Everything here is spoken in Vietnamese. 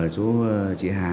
chỗ chị hà